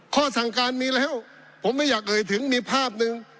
ข้อสั่งการมีแล้วผมไม่อยากเอ่ยถึงมีภาพหนึ่ง